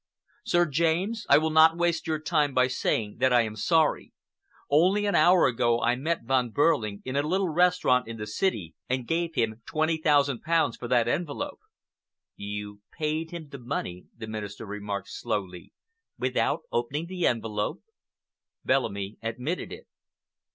"Sir James, I will not waste your time by saying that I am sorry. Only an hour ago I met Von Behrling in a little restaurant in the city, and gave him twenty thousand pounds for that envelope." "You paid him the money," the Minister remarked slowly, "without opening the envelope." Bellamy admitted it.